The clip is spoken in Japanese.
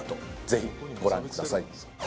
ぜひご覧ください